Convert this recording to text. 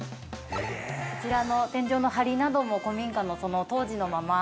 こちらの天井の梁なども古民家の当時のまま。